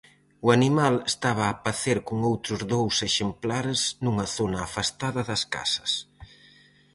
O animal estaba a pacer con outros dous exemplares nunha zona afastada das casas.